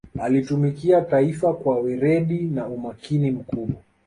alitumikia taifa kwa weredi na umakini mkubwa